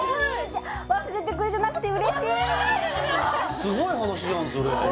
すごい話じゃんそれそう！